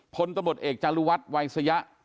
พตเอกจารุวัฒน์วัยสยะ